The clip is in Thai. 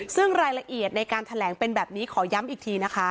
ซึ่งรายละเอียดในการแถลงเป็นแบบนี้ขอย้ำอีกทีนะคะ